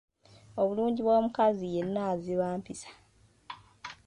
Obulungi bw’omukazi yenna ziba mpisa.